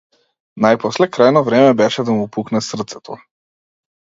Најпосле крајно време беше да му пукне срцето.